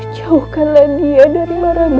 jauhkanlah dia dari marahmu